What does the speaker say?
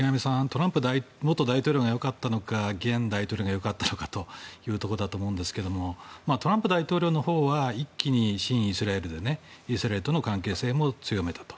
トランプ元大統領が良かったのか現大統領が良かったのかというところだと思いますがトランプ大統領のほうは一気に親イスラエルでイスラエルとの関係性も強めたと。